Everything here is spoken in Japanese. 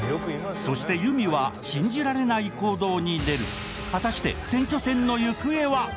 そして有美は信じられない行動に出る果たして選挙戦の行方は？